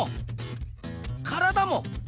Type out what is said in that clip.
体も？